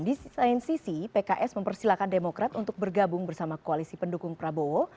di lain sisi pks mempersilahkan demokrat untuk bergabung bersama koalisi pendukung prabowo